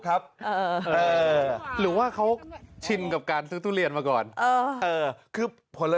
พี่ซื้อลำไยเป็นลูกปะ